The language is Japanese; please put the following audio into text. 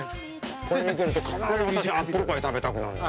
これ見てると必ず私アップルパイ食べたくなるの。